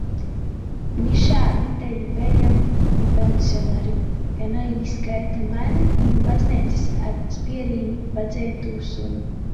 Mišā videji bejom pensionari, ka naīskaita mani i nu bazneicys ar spierīni padzeitū suni.